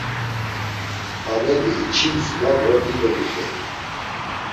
Amedi içils ma do dido vixeli.